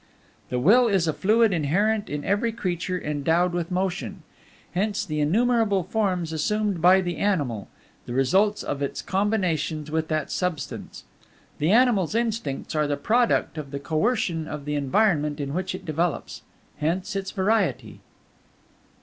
The Will is a fluid inherent in every creature endowed with motion. Hence the innumerable forms assumed by the Animal, the results of its combinations with that Substance. The Animal's instincts are the product of the coercion of the environment in which it develops. Hence its variety.